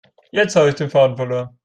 Jetzt habe ich den Faden verloren.